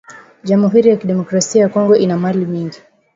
Jamhuri ya ki democrasia ya kongo ina mali mingi